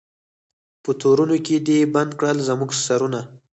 په تورونو کي دي بند کړل زموږ سرونه